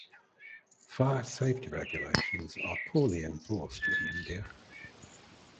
Fire safety regulations are poorly enforced in India.